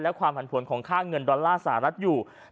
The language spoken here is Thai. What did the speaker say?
และความผันผวนของค่าเงินดอลลาร์สหรัฐอยู่